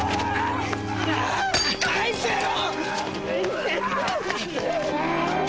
返せよ！